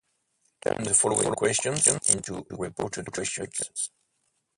Turn the following questions into reported questions.